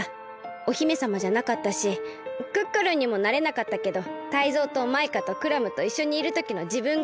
お姫さまじゃなかったしクックルンにもなれなかったけどタイゾウとマイカとクラムといっしょにいるときのじぶんがすき。